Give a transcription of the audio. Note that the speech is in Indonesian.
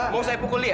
mau saya pukul dia